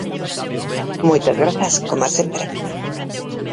Moitas grazas, coma sempre.